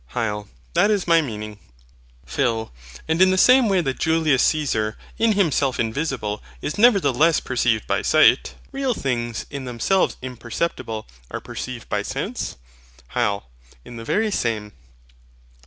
HYL. That is my meaning. PHIL. And, in the same way that Julius Caesar, in himself invisible, is nevertheless perceived by sight; real things, in themselves imperceptible, are perceived by sense. HYL. In the very same.